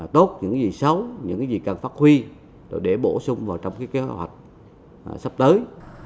đốt những gì xấu những gì cần phát huy để bổ sung vào trong kế hoạch sắp tới